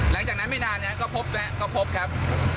หลังจากนั้นไม่นานก็พบแล้วก็พบครับ